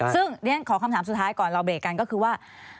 ซึ่งเรียนขอคำถามสุดท้ายก่อนเราเบรกกันก็คือว่า